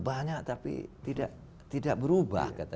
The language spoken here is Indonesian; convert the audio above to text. banyak tapi tidak berubah